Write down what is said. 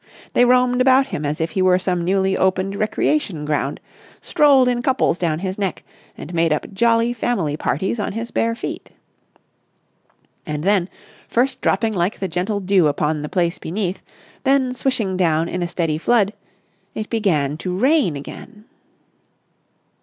They roamed about him as if he were some newly opened recreation ground, strolled in couples down his neck, and made up jolly family parties on his bare feet. And then, first dropping like the gentle dew upon the place beneath, then swishing down in a steady flood, it began to rain again.